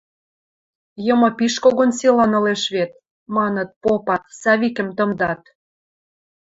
Йымы пиш когон силан ылеш вет... – маныт, попат, Савикӹм тымдат.